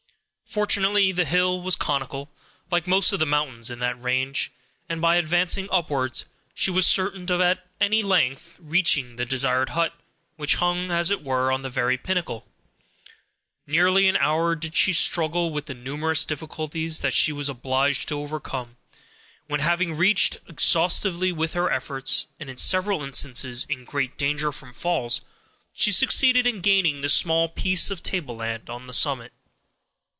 Fortunately, the hill was conical, like most of the mountains in that range, and, by advancing upwards, she was certain of at length reaching the desired hut, which hung, as it were, on the very pinnacle. Nearly an hour did she struggle with the numerous difficulties that she was obliged to overcome, when, having been repeatedly exhausted with her efforts, and, in several instances, in great danger from falls, she succeeded in gaining the small piece of tableland on the summit.